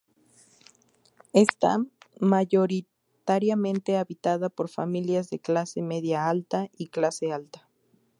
Está mayoritariamente habitada por familias de clase media-alta y clase alta.